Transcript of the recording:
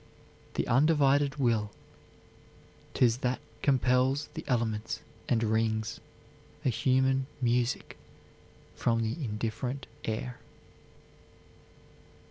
"The undivided will 'Tis that compels the elements and wrings A human music from the indifferent air."